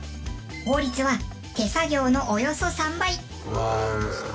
効率は手作業のおよそ３倍。